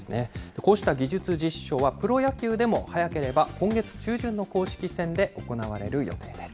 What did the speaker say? こうした技術実証はプロ野球でも、早ければ今月中旬の公式戦で行われる予定です。